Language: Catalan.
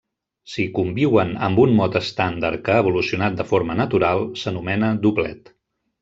Si conviuen amb un mot estàndard que ha evolucionat de forma natural, s'anomena doblet.